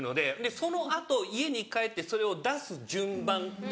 その後家に帰ってそれを出す順番。